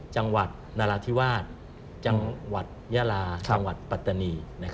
จังหวัดนราธิวาสจังหวัดยาลาจังหวัดปัตตานี